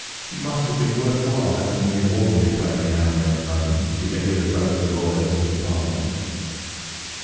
It must have been worth while having a mere ordinary plague now and then in London to get rid of both the lawyers and the Parliament.